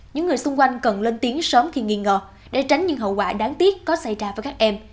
những người xung quanh cần lên tiếng sớm khi nghiền ngọt để tránh những hậu quả đáng tiếc có xảy ra với các em